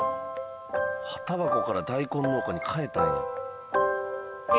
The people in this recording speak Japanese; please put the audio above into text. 葉タバコから大根農家に変えたんや。